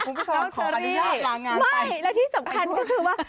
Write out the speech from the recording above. คุณพุทธศาสนขออนุญาตรางานไปไม่และที่สำคัญก็คือว่า